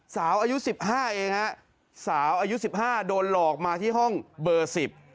สาวอายุสิบห้าเองฮะสาวอายุสิบห้าโดนหลอกมาที่ห้องเบอร์สิบ